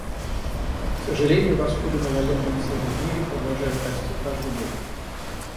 К сожалению, расходы на военные цели в мире продолжают расти каждый год.